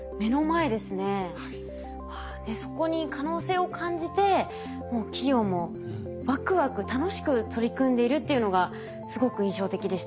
そこに可能性を感じてもう企業もワクワク楽しく取り組んでいるっていうのがすごく印象的でした。